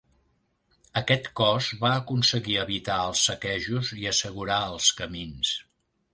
Aquest cos va aconseguir evitar els saquejos i assegurar els camins.